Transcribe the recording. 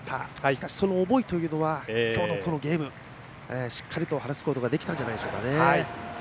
しかし、その思いというのは今日のこのゲームでしっかりと晴らすことができたんじゃないですかね。